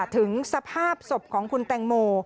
ถึงสภาพศพของคุณแตงโม